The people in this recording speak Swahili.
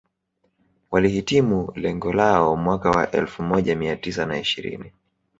Walihitimu lengo lao mwaka wa elfu moja mia tisa na ishirini